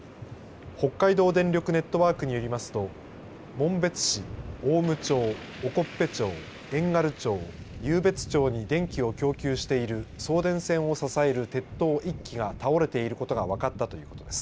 北海道電力ネットワークによりますと紋別市、雄武町、興部町遠軽町、湧別町に電気を供給している送電線を支える鉄塔１基が倒れていることが分かったということです。